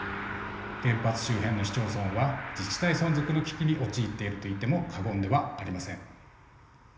原発周辺の市町村は自治体存続の危機に陥っていると言っても過言ではありません。